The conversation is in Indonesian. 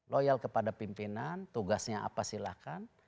loyal kepada pimpinan tugasnya apa silahkan